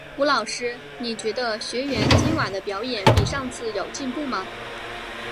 吴老师，你觉得学员今晚的表演比上次有进步吗？